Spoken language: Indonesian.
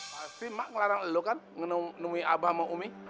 pasti emak ngelarang lu kan menemui abah sama umi